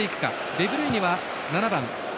デブルイネは７番。